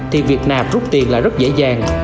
thì việt nam rút tiền là rất dễ dàng